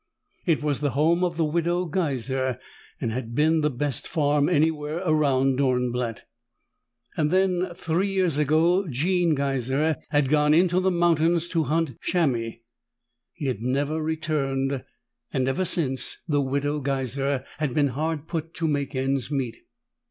It was the home of the Widow Geiser and had been the best farm anywhere around Dornblatt. Then, three years ago, Jean Geiser had gone into the mountains to hunt chamois. He had never returned, and ever since the Widow Geiser had been hard put to make ends meet.